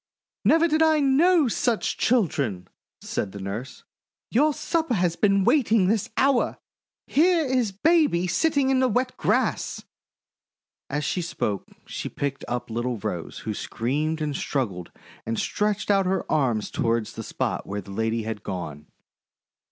"Never did I know such children!" said the nurse. "Your supper has been waiting this hour! Here is baby sitting in the wet grass!' As she spoke she picked up little Rose, who screamed and struggled and stretched out her arms toward the spot where the lady had gone.